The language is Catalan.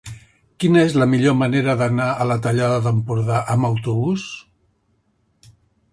Quina és la millor manera d'anar a la Tallada d'Empordà amb autobús?